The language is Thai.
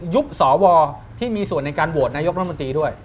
สวที่มีส่วนในการโหวตนายกรัฐมนตรีด้วย